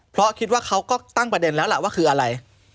เพราะคิดว่าเขาก็ตั้งประเด็นแล้วล่ะว่าคืออะไร